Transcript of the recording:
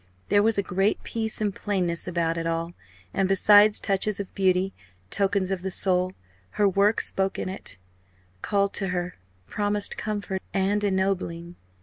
There was a great peace and plainness about it all; and, besides, touches of beauty tokens of the soul. Her work spoke in it; called to her; promised comfort and ennobling.